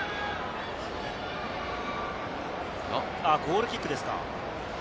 ゴールキックですか？